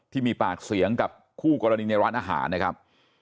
ที่มีปากเสียงกับคู่กรณีในร้านอาหารนะครับ